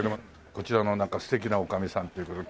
こちらのなんか素敵な女将さんという事で。